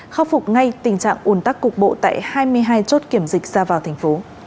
khắc phục ngay tình trạng ồn tắc cục bộ tại hai mươi hai chốt kiểm dịch ra vào tp hcm